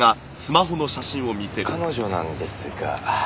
彼女なんですが。